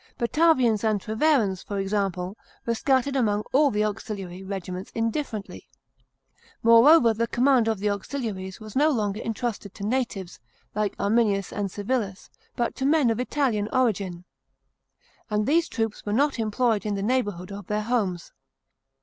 Batavians and Treverans, for example, were scattered among all the auxiliary regiments indifferently. Moreover, the command of the auxiliaries was no longer entrusted to natives, like Arminius and Civilis, but to men of Italian origin ; and these troops were not employed in the neighbourhood of their homes.